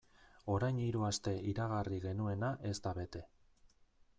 Orain hiru aste iragarri genuena ez da bete.